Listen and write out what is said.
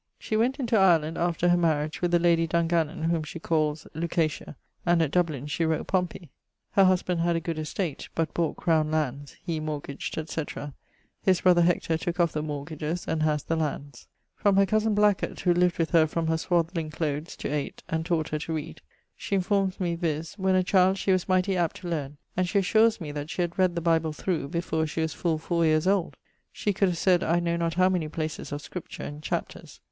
She went into Ireland (after her mariage) with the lady Dungannon (whom she calles Lucatia); and at Dublin she wrote Pompey. Her husband had a good estate, but bought Crowne landes; he mortgaged, etc. His brother Hector tooke off the mortgages and haz the lands. From her cosen Blacket, who lived with her from her swadling cloutes to eight, and taught her to read: She informes me viz. when a child she was mighty apt to learne, and she assures me that she had read the Bible thorough before she was full four yeares old; she could have sayd I know not how many places of Scripture and chapters.